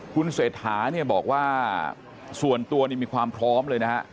คุณเศรษฐาเนี่ยบอกว่าส่วนตัวนี่มีความพร้อมเลยนะฮะ